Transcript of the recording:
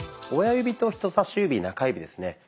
親指と人さし指中指ですね